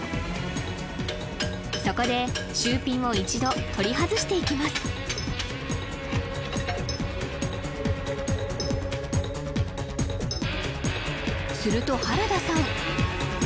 そこでシューピンを一度取り外していきますすると原田さん